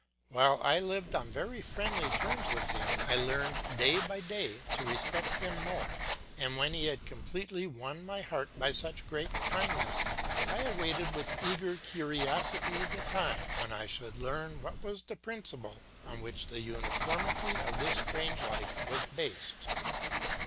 While I lived on very friendly terms with him, I learnt day by day to respect him more; and when he had completely won my heart by such great kindness, I awaited with eager curiosity the time when I should learn what was the principle on which the uniformity of this strange life was based.